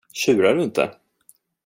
Tjurar du inte?